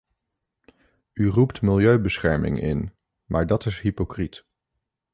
U roept milieubescherming in, maar dat is hypocriet.